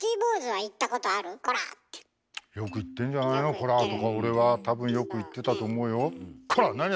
よく言ってんじゃないの「コラ！」とか俺は多分よく言ってたと思うよ。